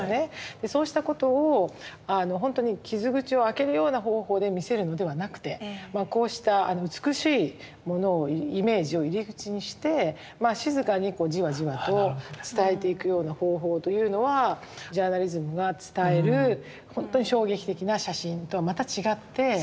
でそうしたことをほんとに傷口を開けるような方法で見せるのではなくてこうした美しいものをイメージを入り口にして静かにこうじわじわと伝えていくような方法というのはジャーナリズムが伝えるほんとに衝撃的な写真とはまた違って。